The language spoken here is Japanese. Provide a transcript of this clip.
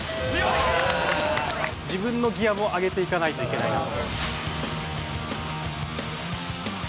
自分のギアを上げていかないといけないなと。